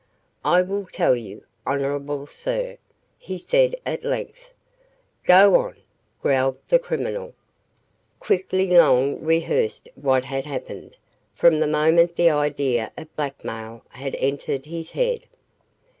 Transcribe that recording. "I will tell you, honorable sir," he said at length. "Go on!" growled the criminal. Quickly Long rehearsed what had happened, from the moment the idea of blackmail had entered his head.